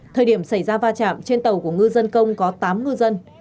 thời điểm xảy ra va chạm trên tàu của ngư dân công có tám ngư dân